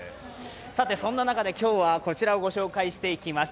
そんな中で今日はこちらをご紹介していきます。